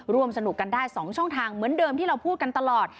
ร่วมสนุกกันได้๒ช่องทางเหมือนเดิมที่เราพูดกันตลอด